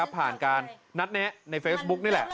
ผ่านการนัดแนะในเฟซบุ๊กนี่แหละ